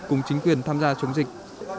cùng chính quyền tham gia chống dịch